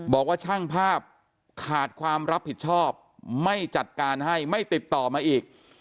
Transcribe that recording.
บอกว่าช่างภาพขาดความรับผิดชอบไม่จัดการให้ไม่ติดต่อมาอีก